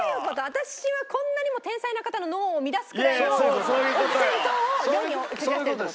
私はこんなにも天才な方の脳を乱すくらいのお弁当を世に送り出してるって事？